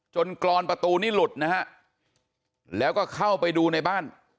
กรอนประตูนี้หลุดนะฮะแล้วก็เข้าไปดูในบ้าน